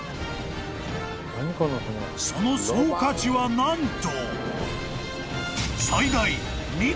［その総価値はなんと］